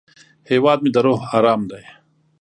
هیواد مې د روح ارام دی